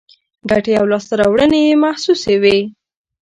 ګټې او لاسته راوړنې یې محسوسې وي.